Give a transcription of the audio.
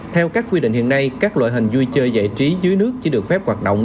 theo các quy định hiện nay các loại hình vui chơi giải trí dưới nước chỉ được phép hoạt động